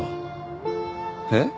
えっ？